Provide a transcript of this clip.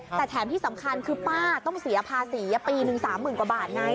แต่แถมที่สำคัญคือป้าต้องเสียภาษีปีหนึ่ง๓๐๐๐กว่าบาทไง